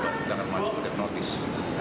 kita akan maju dengan notice